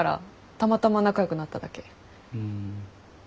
ふん。